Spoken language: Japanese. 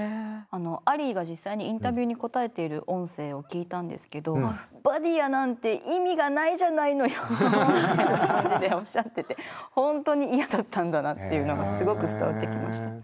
アリーが実際にインタビューに答えている音声を聞いたんですけど「バーディヤー」なんて意味がないじゃないのよっていう感じでおっしゃってて本当に嫌だったんだなっていうのがすごく伝わってきました。